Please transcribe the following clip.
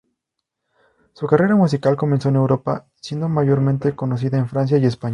Su carrera musical comenzó en Europa, siendo mayormente conocida en Francia y España.